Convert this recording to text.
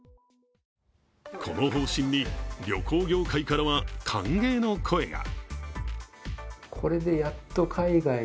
この方針に、旅行業界からは歓迎の声が。